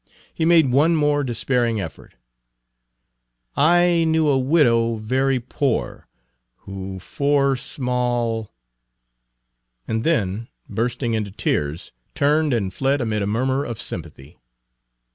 He made one more despairing effort: "I knew a widow very poor, Who four small" and then, bursting into tears, turned and fled amid a murmur of sympathy.